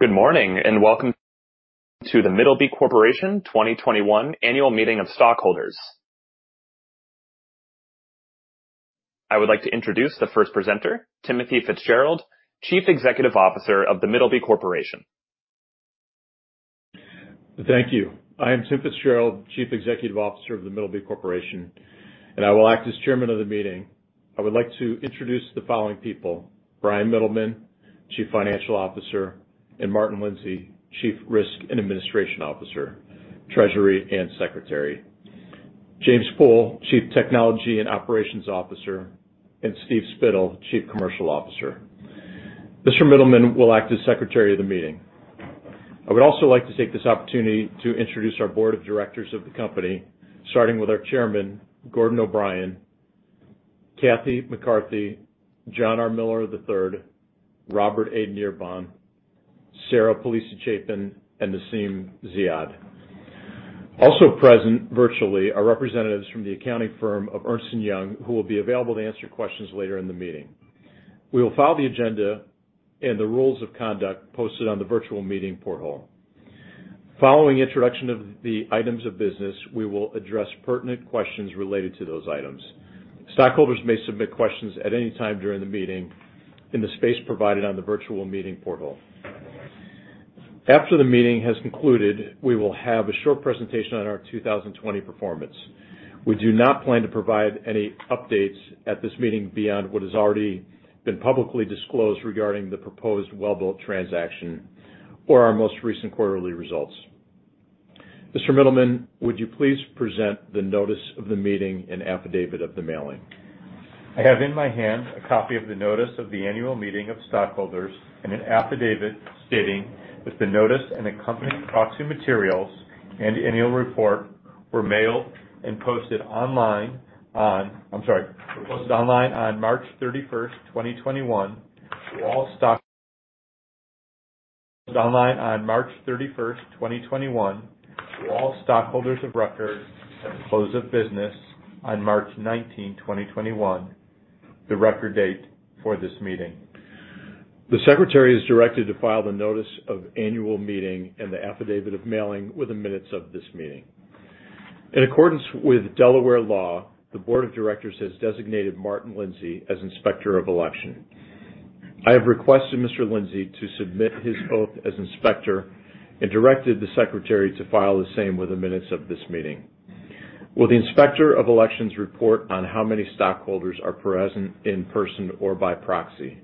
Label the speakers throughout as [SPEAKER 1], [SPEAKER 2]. [SPEAKER 1] Good morning, welcome to The Middleby Corporation 2021 Annual Meeting of Stockholders. I would like to introduce the first presenter, Timothy FitzGerald, Chief Executive Officer of The Middleby Corporation.
[SPEAKER 2] Thank you. I am Tim FitzGerald, Chief Executive Officer of The Middleby Corporation, and I will act as Chairman of the meeting. I would like to introduce the following people: Bryan Mittelman, Chief Financial Officer, and Martin Lindsay, Chief Risk and Administration Officer, Treasury, and Secretary. James Pool, Chief Technology and Operations Officer, and Steve Spittle, Chief Commercial Officer. Mr. Mittelman will act as Secretary of the meeting. I would also like to take this opportunity to introduce our Board of Directors of the company, starting with our Chairman, Gordon O'Brien, Cathy L. McCarthy, John R. Miller III, Robert A. Nerbonne, Sarah Palisi Chapin, and Nassem Ziyad. Also present virtually are representatives from the accounting firm of Ernst & Young, who will be available to answer questions later in the meeting. We will follow the agenda and the rules of conduct posted on the virtual meeting portal. Following introduction of the items of business, we will address pertinent questions related to those items. Stockholders may submit questions at any time during the meeting in the space provided on the virtual meeting portal. After the meeting has concluded, we will have a short presentation on our 2020 performance. We do not plan to provide any updates at this meeting beyond what has already been publicly disclosed regarding the proposed Welbilt transaction or our most recent quarterly results. Mr. Mittelman, would you please present the Notice of the Meeting and Affidavit of the Mailing?
[SPEAKER 3] I have in my hand a copy of the Notice of the Annual Meeting of Stockholders and an affidavit stating that the notice and accompanying proxy materials and annual report were mailed and posted online on March 31st, 2021, to all stockholders of record at the close of business on March 19, 2021, the record date for this meeting.
[SPEAKER 2] The Secretary is directed to file the Notice of Annual Meeting and the Affidavit of Mailing with the minutes of this meeting. In accordance with Delaware law, the Board of Directors has designated Martin M. Lindsay as Inspector of Election. I have requested Mr. Lindsay to submit his oath as Inspector and directed the Secretary to file the same with the minutes of this meeting. Will the Inspector of Elections report on how many stockholders are present in person or by proxy?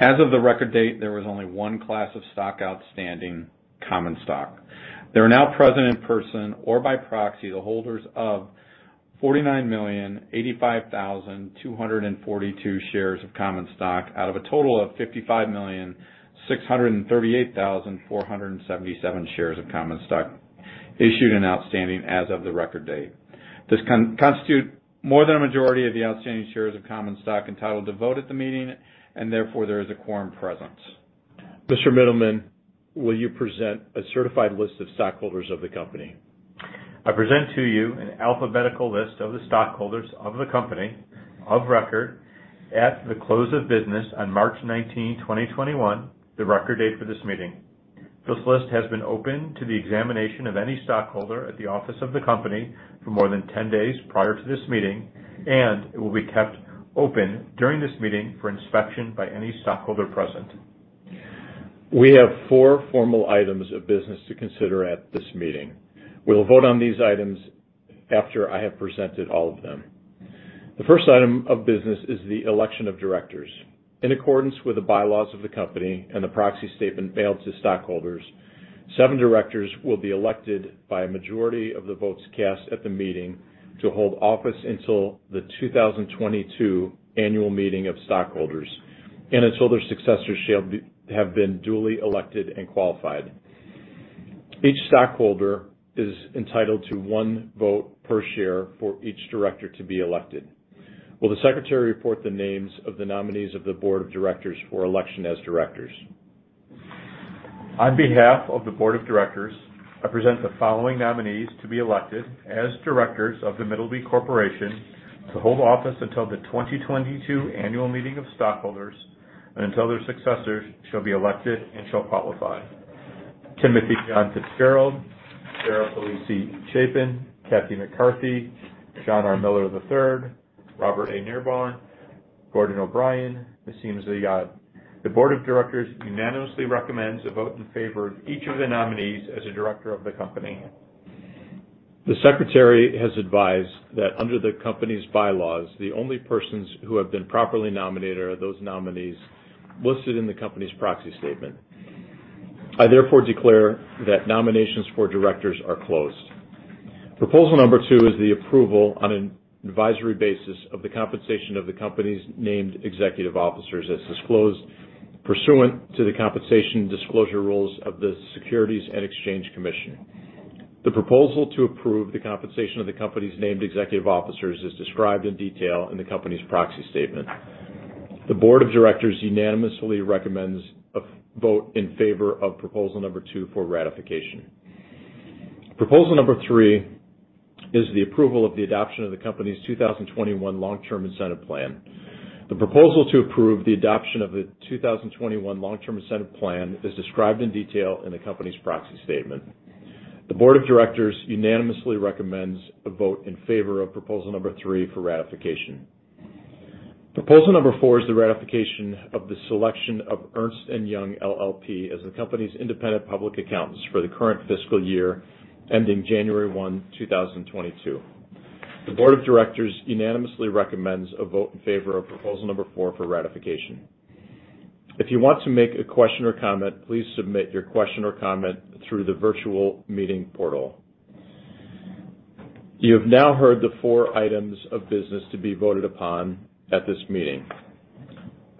[SPEAKER 4] As of the record date, there was only one class of stock outstanding, common stock. There are now present in person or by proxy, the holders of 49,085,242 shares of common stock out of a total of 55,638,477 shares of common stock issued and outstanding as of the record date. This constitutes more than a majority of the outstanding shares of common stock entitled to vote at the meeting, and therefore there is a quorum present.
[SPEAKER 2] Mr. Mittelman, will you present a certified list of stockholders of the company?
[SPEAKER 3] I present to you an alphabetical list of the stockholders of the company of record at the close of business on March 19, 2021, the record date for this meeting. This list has been open to the examination of any stockholder at the office of the company for more than 10 days prior to this meeting, and it will be kept open during this meeting for inspection by any stockholder present.
[SPEAKER 2] We have four formal items of business to consider at this meeting. We will vote on these items after I have presented all of them. The first item of business is the election of directors. In accordance with the bylaws of the company and the proxy statement mailed to stockholders, seven directors will be elected by a majority of the votes cast at the meeting to hold office until the 2022 annual meeting of stockholders and until their successors shall have been duly elected and qualified. Each stockholder is entitled to one vote per share for each director to be elected. Will the Secretary report the names of the nominees of the Board of Directors for election as Directors?
[SPEAKER 3] On behalf of the Board of Directors, I present the following nominees to be elected as Directors of The Middleby Corporation to hold office until the 2022 annual meeting of stockholders and until their successors shall be elected and shall qualify. Timothy John FitzGerald, Sarah Palisi Chapin, Cathy L. McCarthy, John R. Miller III, Robert A. Nerbonne, Gordon O'Brien, Nassem Ziyad. The Board of Directors unanimously recommends a vote in favor of each of the nominees as a director of the company.
[SPEAKER 2] The Secretary has advised that under the company's bylaws, the only persons who have been properly nominated are those nominees listed in the company's Proxy Statement. I therefore declare that nominations for directors are closed. Proposal Number 2 is the approval on an advisory basis of the compensation of the company's named executive officers as disclosed pursuant to the compensation disclosure rules of the Securities and Exchange Commission. The proposal to approve the compensation of the company's named executive officers is described in detail in the company's Proxy Statement. The Board of Directors unanimously recommends a vote in favor of Proposal Number 2 for ratification. Proposal Number 3 is the approval of the adoption of the company's 2021 Long-Term Incentive Plan. The proposal to approve the adoption of the 2021 Long-Term Incentive Plan is described in detail in the company's Proxy Statement. The Board of Directors unanimously recommends a vote in favor of Proposal Number 3 for ratification. Proposal Number 4 is the ratification of the selection of Ernst & Young LLP as the company's independent public accountants for the current fiscal year ending January 1, 2022. The Board of Directors unanimously recommends a vote in favor of Proposal Number 4 for ratification. If you want to make a question or comment, please submit your question or comment through the virtual meeting portal. You have now heard the four items of business to be voted upon at this meeting.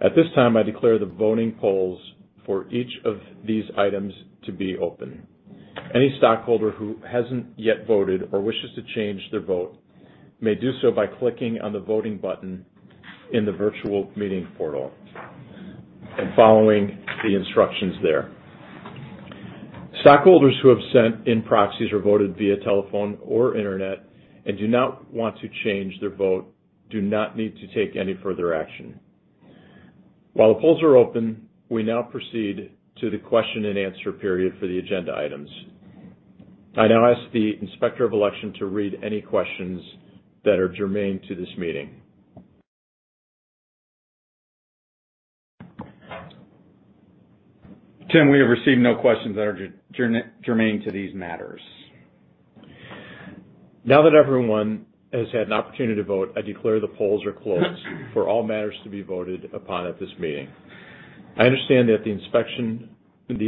[SPEAKER 2] At this time, I declare the voting polls for each of these items to be open. Any stockholder who hasn't yet voted or wishes to change their vote may do so by clicking on the voting button in the virtual meeting portal and following the instructions there. Stockholders who have sent in proxies or voted via telephone or internet and do not want to change their vote do not need to take any further action. While the polls are open, we now proceed to the question-and-answer period for the agenda items. I now ask the Inspector of Election to read any questions that are germane to this meeting.
[SPEAKER 4] Tim, we have received no questions that are germane to these matters.
[SPEAKER 2] Now that everyone has had an opportunity to vote, I declare the polls are closed for all matters to be voted upon at this meeting. I understand that the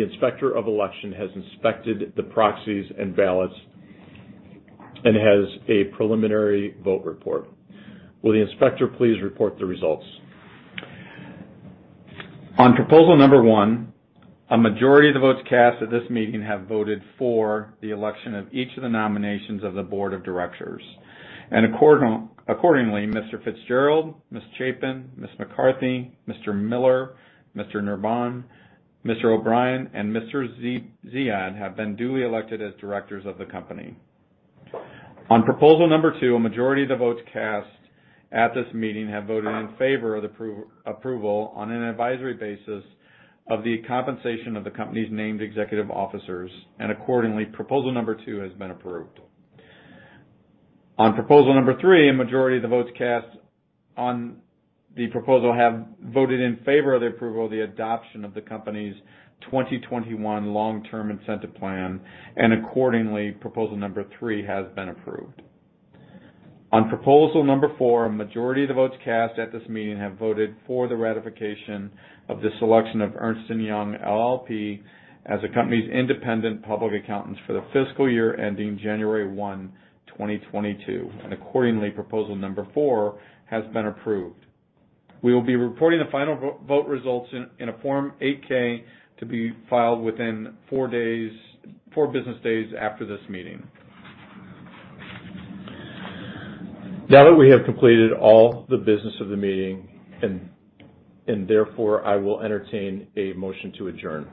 [SPEAKER 2] Inspector of Election has inspected the proxies and ballots and has a preliminary vote report. Will the Inspector please report the results?
[SPEAKER 4] On Proposal Number 1, a majority of the votes cast at this meeting have voted for the election of each of the nominations of the Board of Directors. Accordingly, Mr. FitzGerald, Ms. Chapin, Ms. McCarthy, Mr. Miller, Mr. Nerbonne, Mr. O'Brien, and Mr. Ziyad have been duly elected as Directors of the Company. On Proposal Number 2, a majority of the votes cast at this meeting have voted in favor of the approval on an advisory basis of the Company's named executive officers, accordingly, Proposal Number 2 has been approved. On Proposal Number 3, a majority of the votes cast on the proposal have voted in favor of the approval of the adoption of the Company's 2021 Long-Term Incentive Plan, accordingly, Proposal Number 3 has been approved. On Proposal Number 4, a majority of the votes cast at this meeting have voted for the ratification of the selection of Ernst & Young LLP as the company's independent public accountants for the fiscal year ending January 1, 2022, and accordingly, Proposal Number 4 has been approved. We will be reporting the final vote results in a Form 8-K to be filed within four business days after this meeting.
[SPEAKER 2] Now that we have completed all the business of the meeting, and therefore I will entertain a motion to adjourn.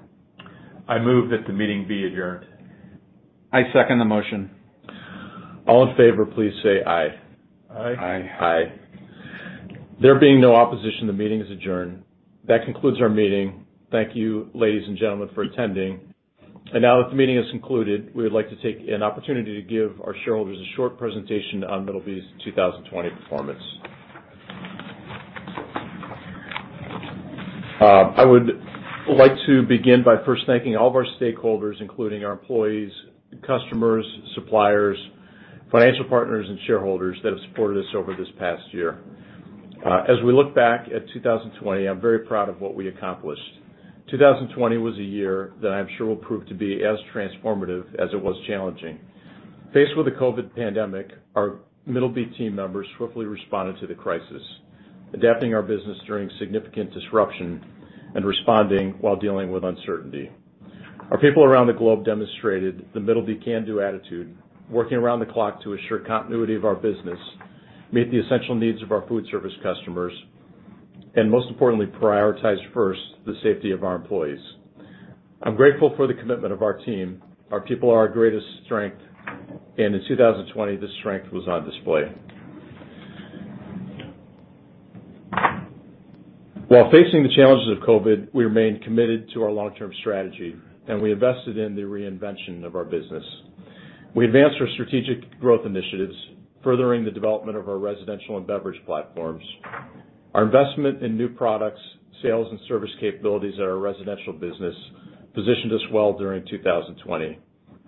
[SPEAKER 2] I move that the meeting be adjourned.
[SPEAKER 4] I second the motion.
[SPEAKER 2] All in favor, please say aye.
[SPEAKER 4] Aye.
[SPEAKER 3] Aye.
[SPEAKER 2] Aye. There being no opposition, the meeting is adjourned. That concludes our meeting. Thank you, ladies and gentlemen, for attending. Now that the meeting is concluded, we would like to take an opportunity to give our shareholders a short presentation on Middleby's 2020 performance. I would like to begin by first thanking all of our stakeholders, including our employees, customers, suppliers, financial partners, and shareholders that have supported us over this past year. As we look back at 2020, I'm very proud of what we accomplished. 2020 was a year that I'm sure will prove to be as transformative as it was challenging. Faced with the COVID pandemic, our Middleby team members swiftly responded to the crisis, adapting our business during significant disruption and responding while dealing with uncertainty. Our people around the globe demonstrated the Middleby can-do attitude, working around the clock to assure continuity of our business, meet the essential needs of our foodservice customers, and most importantly, prioritize first the safety of our employees. I'm grateful for the commitment of our team. Our people are our greatest strength, and in 2020, this strength was on display. While facing the challenges of COVID, we remained committed to our long-term strategy, and we invested in the reinvention of our business. We advanced our strategic growth initiatives, furthering the development of our residential and beverage platforms. Our investment in new products, sales, and service capabilities at our residential business positioned us well during 2020,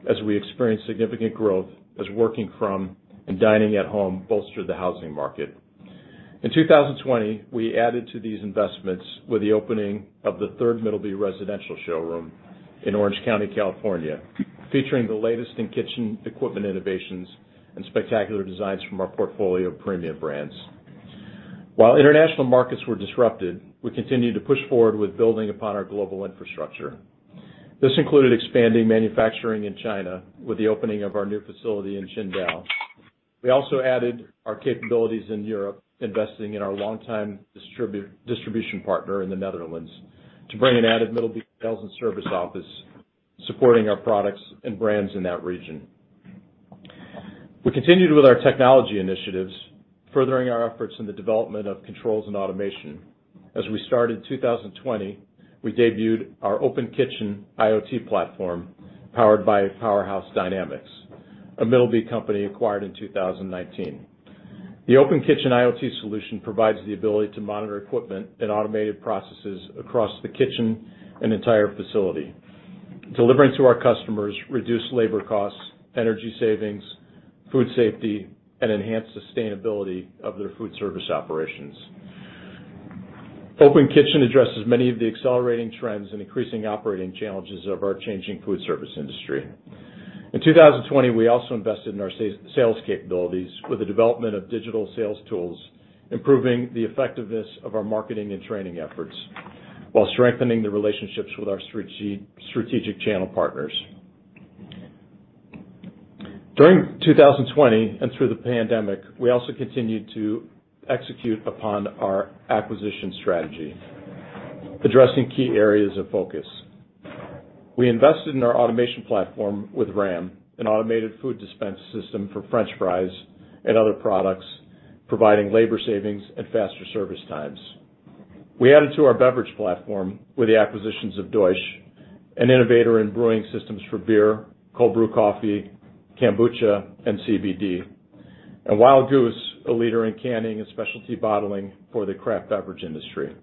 [SPEAKER 2] as we experienced significant growth as working from and dining at home bolstered the housing market. In 2020, we added to these investments with the opening of the third Middleby residential showroom in Orange County, California, featuring the latest in kitchen equipment innovations and spectacular designs from our portfolio of premium brands. While international markets were disrupted, we continued to push forward with building upon our global infrastructure. This included expanding manufacturing in China with the opening of our new facility in Qingdao. We also added our capabilities in Europe, investing in our longtime distribution partner in the Netherlands to bring an added Middleby sales and service office supporting our products and brands in that region. We continued with our technology initiatives, furthering our efforts in the development of controls and automation. As we started 2020, we debuted our Open Kitchen IoT platform, powered by Powerhouse Dynamics, a Middleby company acquired in 2019. The Open Kitchen IoT solution provides the ability to monitor equipment and automated processes across the kitchen and entire facility, delivering to our customers reduced labor costs, energy savings, food safety, and enhanced sustainability of their foodservice operations. Open Kitchen addresses many of the accelerating trends and increasing operating challenges of our changing foodservice industry. In 2020, we also invested in our sales capabilities with the development of digital sales tools, improving the effectiveness of our marketing and training efforts while strengthening the relationships with our strategic channel partners. During 2020 and through the pandemic, we also continued to execute upon our acquisition strategy, addressing key areas of focus. We invested in our automation platform with RAM, an automated food dispense system for french fries and other products, providing labor savings and faster service times. We added to our beverage platform with the acquisitions of Deutsche, an innovator in brewing systems for beer, cold brew coffee, kombucha, and CBD. Wild Goose, a leader in canning and specialty bottling for the craft beverage industry.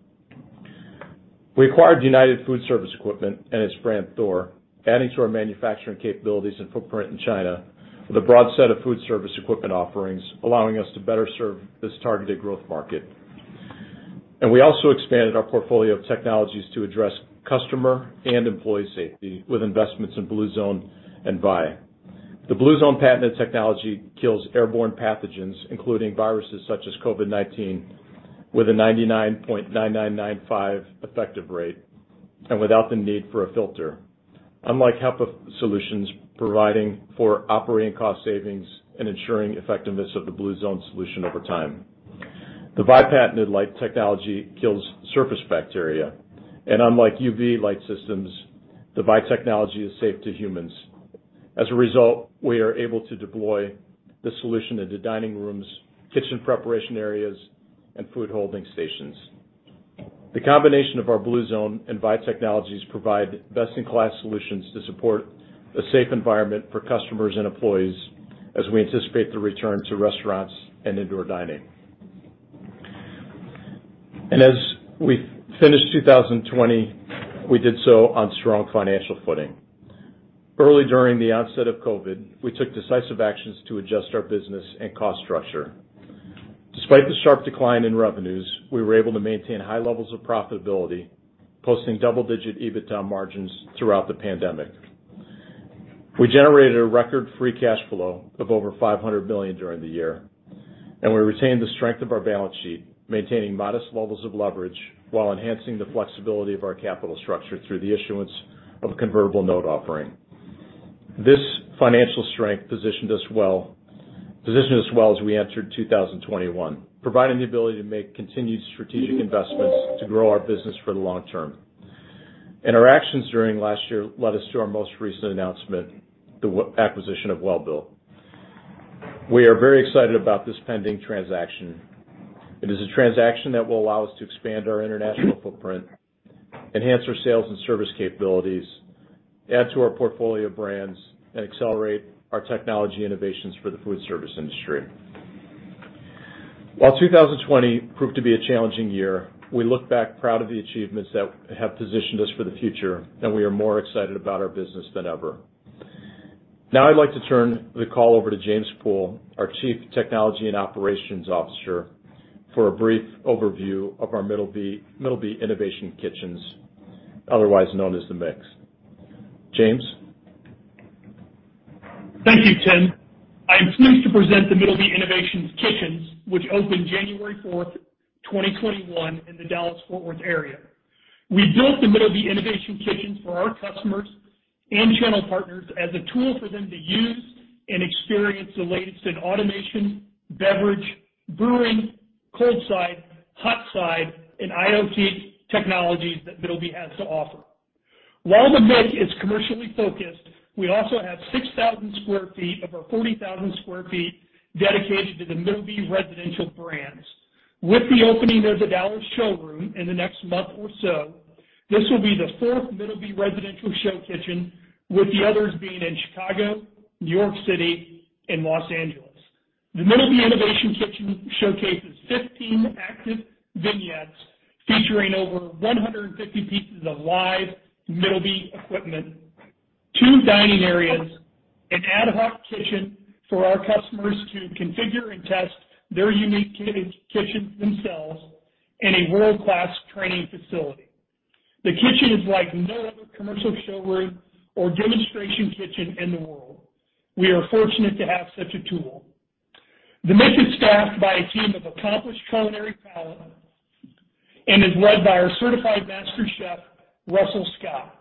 [SPEAKER 2] We acquired United Foodservice Equipment and its brand Thor, adding to our manufacturing capabilities and footprint in China with a broad set of foodservice equipment offerings, allowing us to better serve this targeted growth market. We also expanded our portfolio of technologies to address customer and employee safety with investments in Bluezone and Vyv. The Bluezone patented technology kills airborne pathogens, including viruses such as COVID-19, with a 99.9995% effective rate and without the need for a filter. Unlike HEPA solutions, providing for operating cost savings and ensuring effectiveness of the Bluezone solution over time. The Vyv patented light technology kills surface bacteria, and unlike UV light systems, the Vyv technology is safe to humans. As a result, we are able to deploy the solution into dining rooms, kitchen preparation areas, and food holding stations. The combination of our Bluezone and Vyv technologies provide best-in-class solutions to support a safe environment for customers and employees as we anticipate the return to restaurants and indoor dining. As we finished 2020, we did so on strong financial footing. Early during the onset of COVID, we took decisive actions to adjust our business and cost structure. Despite the sharp decline in revenues, we were able to maintain high levels of profitability, posting double-digit EBITDA margins throughout the pandemic. We generated a record free cash flow of over $500 million during the year. We retained the strength of our balance sheet, maintaining modest levels of leverage while enhancing the flexibility of our capital structure through the issuance of a convertible note offering. This financial strength positioned us well as we entered 2021, providing the ability to make continued strategic investments to grow our business for the long term. Our actions during last year led us to our most recent announcement, the acquisition of Welbilt. We are very excited about this pending transaction. It is a transaction that will allow us to expand our international footprint, enhance our sales and service capabilities, add to our portfolio of brands, and accelerate our technology innovations for the foodservice industry. While 2020 proved to be a challenging year, we look back proud of the achievements that have positioned us for the future, and we are more excited about our business than ever. I'd like to turn the call over to James Pool, our Chief Technology and Operations Officer, for a brief overview of our Middleby Innovation Kitchens, otherwise known as the MIK. James?
[SPEAKER 5] Thank you, Tim. I am pleased to present the Middleby Innovation Kitchens, which opened January 4th, 2021, in the Dallas-Fort Worth area. We built the Middleby Innovation Kitchen for our customers and channel partners as a tool for them to use and experience the latest in automation, beverage, brewing, cold side, hot side, and IoT technologies that Middleby has to offer. While the MIK is commercially focused, we also have 6,000 sq ft of our 40,000 sq ft dedicated to the Middleby residential brands. With the opening of the Dallas showroom in the next month or so, this will be the fourth Middleby residential show kitchen, with the others being in Chicago, New York City, and Los Angeles. The Middleby Innovation Kitchens showcases 15 active vignettes featuring over 150 pieces of live Middleby equipment, two dining areas, an Adhoc Kitchen for our customers to configure and test their unique kitchens themselves, and a world-class training facility. The kitchen is like no other commercial showroom or demonstration kitchen in the world. We are fortunate to have such a tool. The MIK is staffed by a team of accomplished culinary talent and is led by our certified master chef, Russell Scott.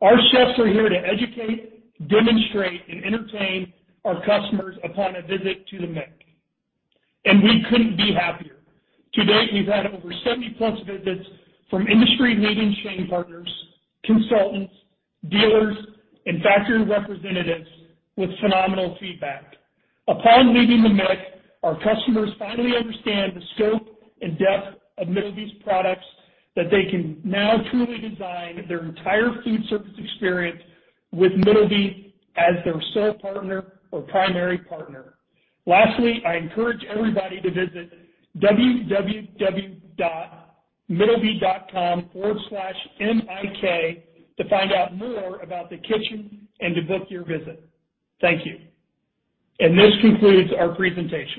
[SPEAKER 5] Our chefs are here to educate, demonstrate, and entertain our customers upon a visit to the MIK, and we couldn't be happier. To date, we've had over 70-plus visits from industry leading chain partners, consultants, dealers, and factory representatives with phenomenal feedback. Upon leaving the MIK, our customers finally understand the scope and depth of Middleby's products that they can now truly design their entire foodservice experience with Middleby as their sole partner or primary partner. Lastly, I encourage everybody to visit www.middleby.com/mik to find out more about the kitchen and to book your visit. Thank you. This concludes our presentation.